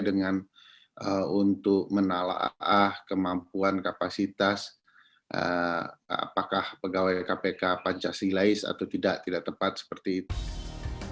dengan untuk menalaah kemampuan kapasitas apakah pegawai kpk pancasilais atau tidak tidak tepat seperti itu